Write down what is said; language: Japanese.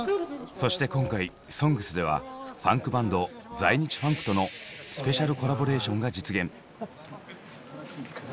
そして今回「ＳＯＮＧＳ」ではファンクバンド「在日ファンク」とのスペシャルコラボレーションが実現。